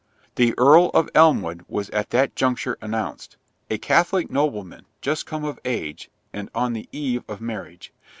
The Earl of Elmwood was at that juncture announced—a Catholic nobleman, just come of age, and on the eve of marriage.